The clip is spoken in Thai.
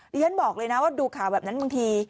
ฉันบอกเลยนะว่าดูข่าวแบบนั้นบางที